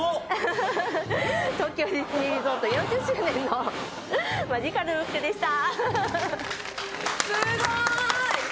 東京ディズニーリゾート４０周年のマジカルブックでした。